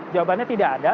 jawabannya tidak ada